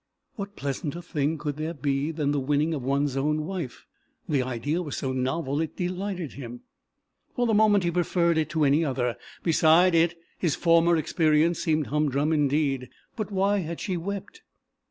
What pleasanter thing could there be than the winning of one's own wife? The idea was so novel it delighted him. For the moment he preferred it to any other; beside it his former experience seemed humdrum indeed. But why had she wept?